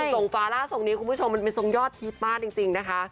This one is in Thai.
ทรงฟ้าล่าทรงนี้คุณผู้ชมมันเป็นทรงยอดฮิตมากจริงนะคะ